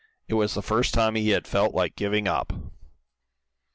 It was the first time he had felt like giving up.